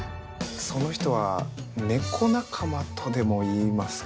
その人は猫仲間とでも言いますか。